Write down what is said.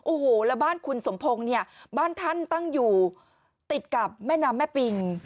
โอ้โหแล้วบ้านคุณสมพงศ์เนี่ยบ้านท่านตั้งอยู่ติดกับแม่น้ำแม่ปิง